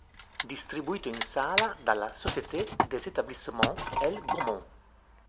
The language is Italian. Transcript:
Distribuito in sala dalla Société des Etablissements L. Gaumont.